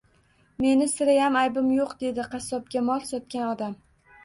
Meni sirayam aybim yo`q,dedi qassobga mol sotgan odam